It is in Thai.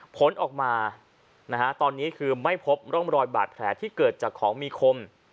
ผลออกมาตอนนี้คือไม่พบร่องรอยบาดแผลที่เกิดจากของมีคม